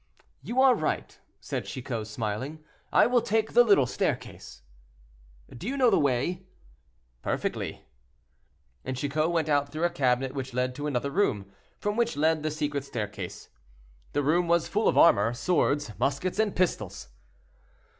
"You are right," said Chicot, smiling, "I will take the little staircase." "Do you know the way?" "Perfectly." And Chicot went out through a cabinet which led to another room, from which led the secret staircase. The room was full of armor, swords, muskets, and pistols.